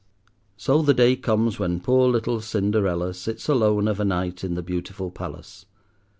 So the day comes when poor little Cinderella sits alone of a night in the beautiful palace.